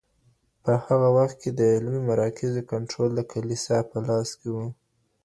په هغه وخت کي د علمي مراکزو کنټرول د کليسا په لاس کي و.